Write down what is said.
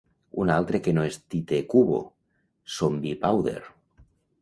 Un altre que no és Tite Kubo, Zombiepowder.